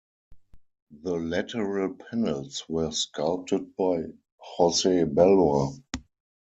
The lateral panels were sculpted by Jose Bellver.